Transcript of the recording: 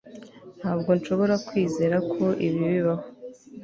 ntabwo nshobora kwizera ko ibi bibaho